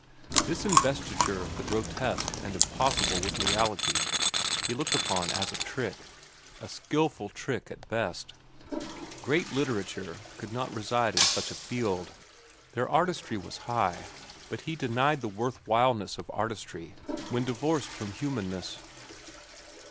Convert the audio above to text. This investiture of the grotesque and impossible with reality, he looked upon as a trick—a skilful trick at best. Great literature could not reside in such a field. Their artistry was high, but he denied the worthwhileness of artistry when divorced from humanness.